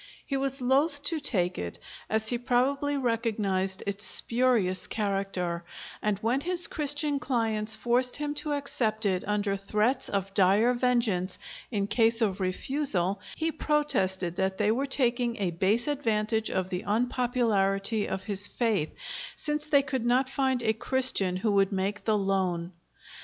He was loath to take it, as he probably recognized its spurious character, and when his Christian clients forced him to accept it under threats of dire vengeance in case of refusal, he protested that they were taking a base advantage of the unpopularity of his faith, since they could not find a Christian who would make the loan.